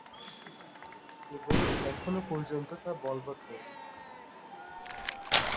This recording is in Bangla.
এবং এখনো পর্যন্ত তা বলবৎ রয়েছে।